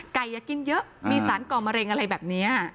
อย่ากินเยอะมีสารก่อมะเร็งอะไรแบบนี้